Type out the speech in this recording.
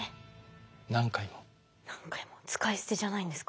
使い捨てじゃないんですか？